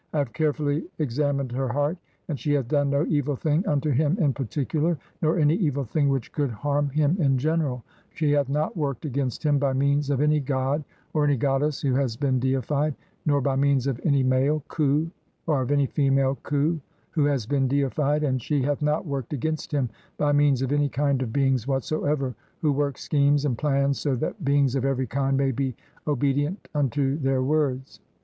I have carefully exa "mined her heart and she hath done no evil thing unto "him in particular, nor any evil thing which could "harm him in general ; she hath not worked against "him by means of any god or any goddess who has "been deified ; nor by means of any male khu or "of any female khu who has been deified ; and she "hath not worked against him by means of any kind "of beings whatsoever who work schemes and plans "so that beings of every kind may be obedient unto "their words.